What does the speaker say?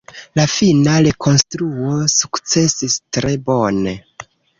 La fina rekonstruo sukcesis tre bone.